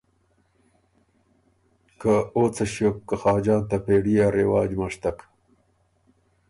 که او څۀ ݭیوک که خاجان ته پېړيې ا رواج مشتک۔